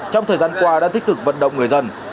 trong thời gian qua đã tích cực vận động người dân